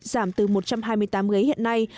giảm từ một trăm hai mươi tám ghế hiện nay